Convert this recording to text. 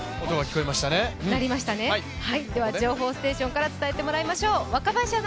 情報ステーションから伝えてもらいましょう。